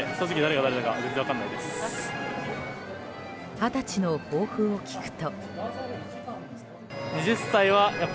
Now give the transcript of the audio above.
二十歳の抱負を聞くと。